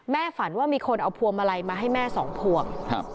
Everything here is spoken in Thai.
ฝันว่ามีคนเอาพวงมาลัยมาให้แม่สองพวง